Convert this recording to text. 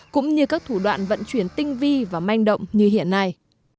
cũng như các thủ đoạn vận chuyển tinh vi và manh động như hiện nay